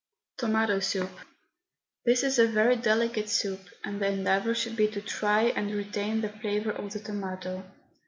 TOMATO SOUP. This is a very delicate soup, and the endeavour should be to try and retain the flavour of the tomato.